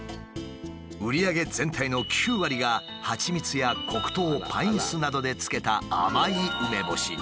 売り上げ全体の９割がはちみつや黒糖パイン酢などで漬けた甘い梅干しに。